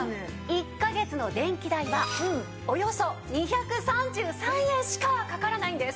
１カ月の電気代はおよそ２３３円しかかからないんです！